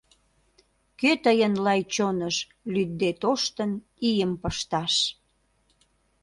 Кӧ тыйын лай чоныш лӱдде тоштын ийым пышташ?